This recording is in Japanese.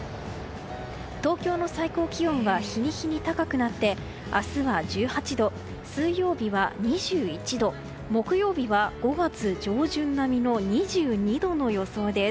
東京の最高気温は日に日に高くなって明日は１８度、水曜日は２１度木曜日は５月上旬並みの２２度の予想です。